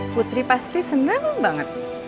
putri pasti seneng banget